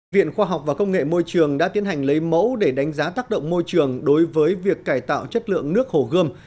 viện khoa học và công nghệ môi trường đã tiến hành lấy mẫu để đánh giá tác động môi trường đối với việc cải tạo chất lượng nước hồ gươm